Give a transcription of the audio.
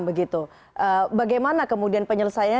bagaimana kemudian penyelesaiannya